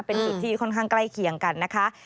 เป็นจุดที่ค่อนข้างใกล้เคียงกันนะคะ